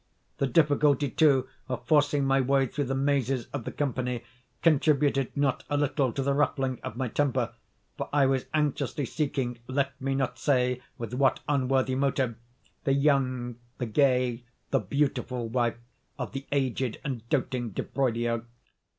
The difficulty, too, of forcing my way through the mazes of the company contributed not a little to the ruffling of my temper; for I was anxiously seeking, (let me not say with what unworthy motive) the young, the gay, the beautiful wife of the aged and doting Di Broglio.